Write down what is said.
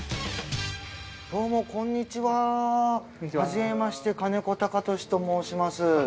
どうもこんにちはこんにちははじめまして金子貴俊と申します